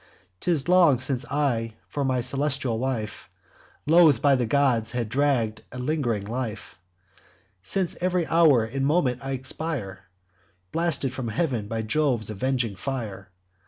'Tis long since I, for my celestial wife Loath'd by the gods, have dragg'd a ling'ring life; Since ev'ry hour and moment I expire, Blasted from heav'n by Jove's avenging fire.